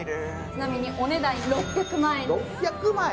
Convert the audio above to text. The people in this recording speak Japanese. なのにお値段６００万円。